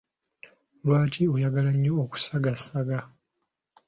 Lwaki oyagala nnyo okusaagasaaga?